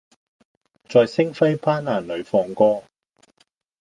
在星輝斑斕裡放歌